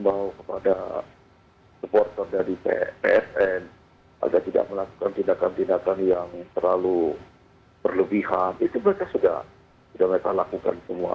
mau kepada supporter dari psn agar tidak melakukan tindakan tindakan yang terlalu berlebihan itu mereka sudah mereka lakukan semua